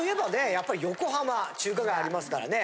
やっぱり横浜中華街ありますからね。